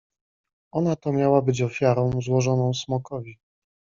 "Ona to miała być ofiarą, złożoną smokowi."